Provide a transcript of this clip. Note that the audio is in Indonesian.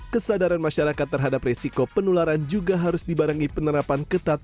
kesadaran masyarakat terhadap resiko penularan juga harus dibarengi penerapan ketat